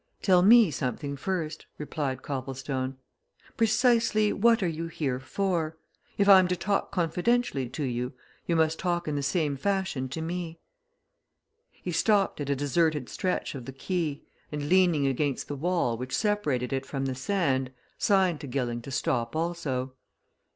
"Tell me something first," replied Copplestone. "Precisely what are you here for? If I'm to talk confidentially to you, you must talk in the same fashion to me." He stopped at a deserted stretch of the quay, and leaning against the wall which separated it from the sand, signed to Gilling to stop also.